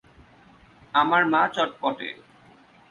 আমার মা চটপটে।